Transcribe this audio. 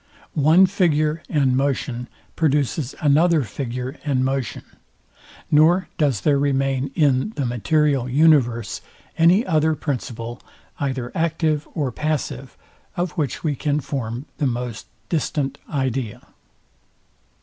One figure and motion produces another figure and motion; nor does there remain in the material universe any other principle, either active or passive, of which we can form the most distant idea.